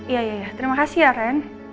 ya ya ya terima kasih ya ren